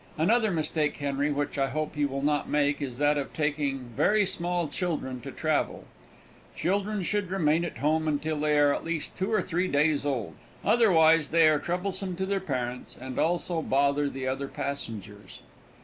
Another mistake, Henry, which I hope you will not make, is that of taking very small children to travel. Children should remain at home until they are at least two or three days old, otherwise they are troublesome to their parents and also bother the other passengers.